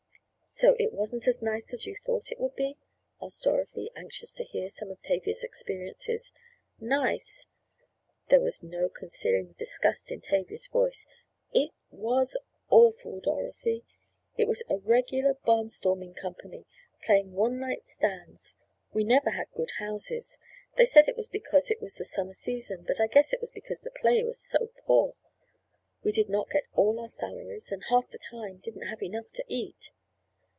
"So it wasn't as nice as you thought it would be?" asked Dorothy, anxious to hear some of Tavia's experiences. "Nice?" There was no concealing the disgust in Tavia's voice. "It was awful, Dorothy! It was a regular barn storming company! Playing one night stands! We never had good houses. They said it was because it was the summer season, but I guess it was because the play was so poor. We did not get all our salaries and half the time didn't have enough to eat.